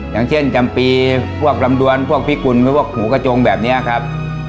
อย่างเช่นจำปีที่พวกรำดวนผิดกุลหรือผูกะโจมแบบนี้ครับ